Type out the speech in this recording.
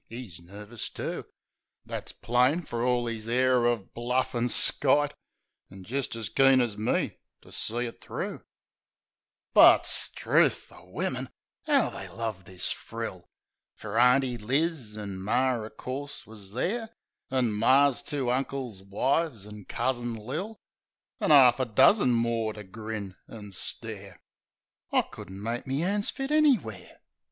'E's nervis too; That's plain, fer orl 'is air o' blufif an' skite; An' jist as keen as me to see it thro'. HITCHED 79 But, 'struth, the wimmin! 'Ow they love this frill! Fer Auntie Liz, an' Mar, o' course, wus there; An' Mar's two uncles' wives, an' Cousin Lil, An' 'arf a dozen more to grin and stare. I couldn't make me 'ands fit anywhere